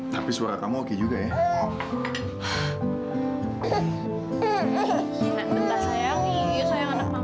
tapi suarat kamu oke juga ya